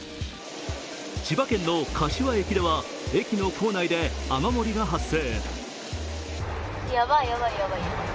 千葉県の柏駅では駅の構内で雨漏りが発生。